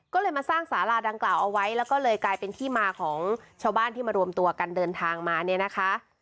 ก็เลยมาสร้างสาราดังกล่าวเอาไว้แล้วก็เลยกลายเป็นที่มาของชาวบ้านที่มารวมตัวกันเดินทางมาเนี่ยนะคะ